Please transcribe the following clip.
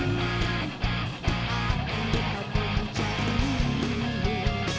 bikin suasana terpimpin